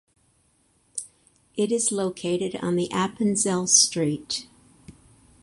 It is located on the Appenzell–St.